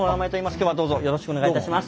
今日はどうぞよろしくお願いいたします。